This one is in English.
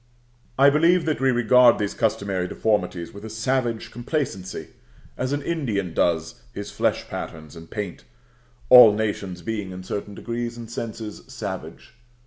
I believe that we regard these customary deformities with a savage complacency, as an Indian does his flesh patterns and paint (all nations being in certain degrees and senses savage).